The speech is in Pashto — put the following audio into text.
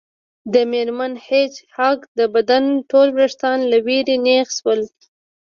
د میرمن هیج هاګ د بدن ټول ویښتان له ویرې نیغ شول